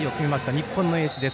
日本のエースです。